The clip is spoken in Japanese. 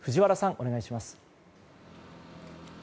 お願いします。